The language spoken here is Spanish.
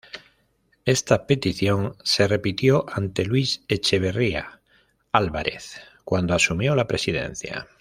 Esta petición se repitió ante Luis Echeverría Álvarez cuando asumió la Presidencia.